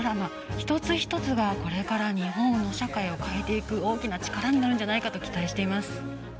一つ一つがこれから日本の社会を変えていく大きな力になるんじゃないかと期待しています。